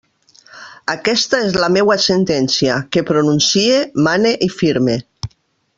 Aquesta és la meua sentència, que pronuncie, mane i firme.